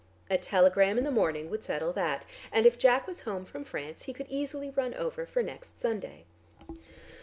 A telegram in the morning would settle that, and if Jack was home from France, he could easily run over for next Sunday.